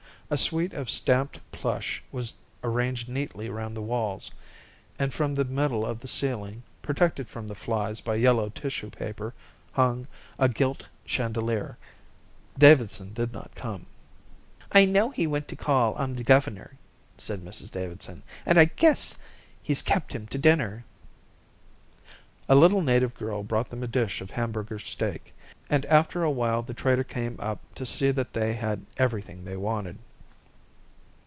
A suite of stamped plush was arranged neatly round the walls, and from the middle of the ceiling, protected from the flies by yellow tissue paper, hung a gilt chandelier. Davidson did not come. "I know he went to call on the governor," said Mrs Davidson, "and I guess he's kept him to dinner." A little native girl brought them a dish of Hamburger steak, and after a while the trader came up to see that they had everything they wanted.